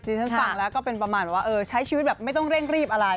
ฉันฟังแล้วก็เป็นประมาณว่าเออใช้ชีวิตแบบไม่ต้องเร่งรีบอะไร